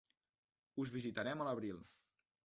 Us visitarem a l'abril.